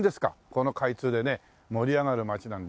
この開通でね盛り上がる街なんで。